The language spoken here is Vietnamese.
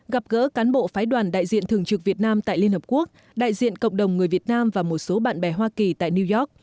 gặp gỡ cán bộ phái đoàn đại diện thường trực việt nam tại liên hợp quốc đại diện cộng đồng người việt nam và một số bạn bè hoa kỳ tại new york